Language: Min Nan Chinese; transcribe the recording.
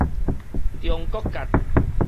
中國結